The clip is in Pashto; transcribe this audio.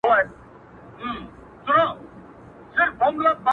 د يوې غونډي په جريان کي